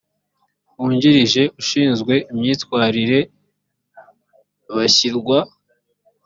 wungirije ushinzwe imyitwarire bashyirwa